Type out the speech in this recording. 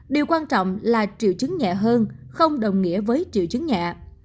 điều quan trọng là triệu chứng nhẹ hơn không đồng nghĩa với triệu chứng nhẹ